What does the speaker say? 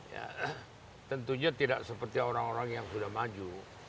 ya tentunya tidak seperti orang orang yang sudah maju